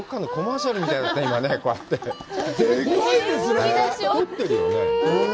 太ってるよね。